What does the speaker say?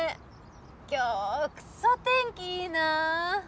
今日は、くそ天気いいな。